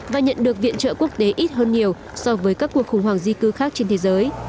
và nhận được viện trợ quốc tế ít hơn nhiều so với các cuộc khủng hoảng di cư khác trên thế giới